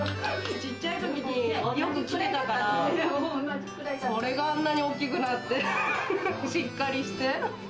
小っちゃいときによく来てたから、それがあんなに大きくなってしっかりして。